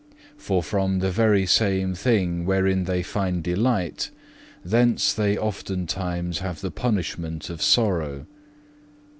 For from the very same thing wherein they find delight, thence they oftentimes have the punishment of sorrow.